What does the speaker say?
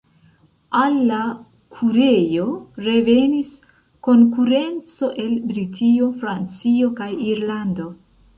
Al la kurejo revenis konkurenco el Britio, Francio kaj Irlando.